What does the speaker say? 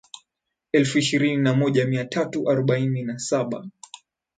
elfu ishirini na moja mia tatu arobaini na saba